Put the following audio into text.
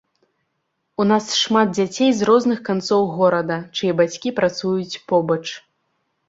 У нас шмат дзяцей з розных канцоў горада, чые бацькі працуюць побач.